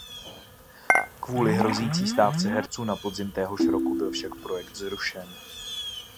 Kvůli hrozící stávce herců na podzim téhož roku byl však projekt zrušen.